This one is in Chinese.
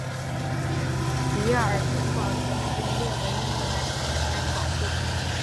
迪尔城堡现在被列入英格兰遗产加以保护。